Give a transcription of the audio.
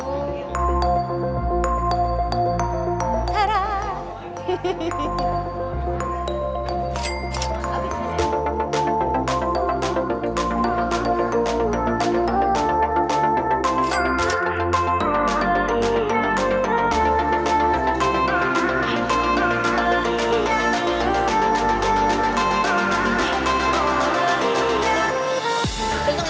itu bisa dibuka